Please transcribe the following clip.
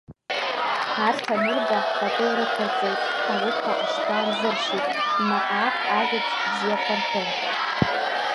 Арҭ анырба, пату рықәырҵеит, ауха ашьтәа рзыршьит, наҟ-ааҟ ажәабжь бзиақәа рҳәон.